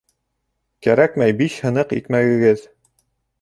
Кәрәкмәй биш һыныҡ икмәгегеҙ.